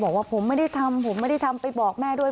บอกว่าผมไม่ได้ทำผมไม่ได้ทำไปบอกแม่ด้วย